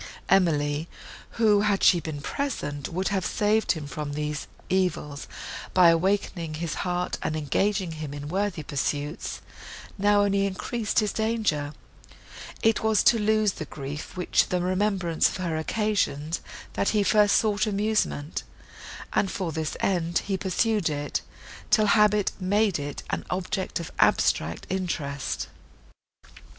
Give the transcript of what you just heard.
Emily, who, had she been present, would have saved him from these evils by awakening his heart, and engaging him in worthy pursuits, now only increased his danger;—it was to lose the grief, which the remembrance of her occasioned, that he first sought amusement; and for this end he pursued it, till habit made it an object of abstract interest.